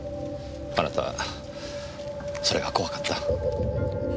あなたはそれが怖かった。